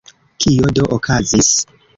Kio do okazis?